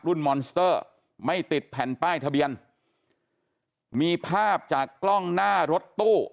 มอนสเตอร์ไม่ติดแผ่นป้ายทะเบียนมีภาพจากกล้องหน้ารถตู้